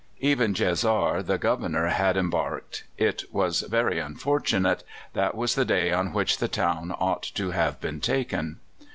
Even Djezzar, the Governor, had embarked. It was very unfortunate. That was the day on which the town ought to have been taken."